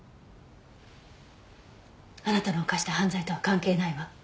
あなたの犯した犯罪とは関係ないわ。